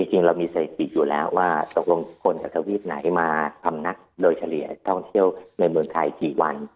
เรามีเสร็จสิทธิ์อยู่แล้วว่าตกลงที่คนจะจะวีดไหนมาพำนักด้วยเฉลี่ยท่องเที่ยวในเมืองไทยอีกกี่วัน